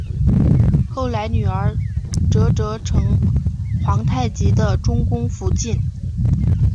后来女儿哲哲成皇太极的中宫福晋。